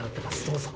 どうぞ。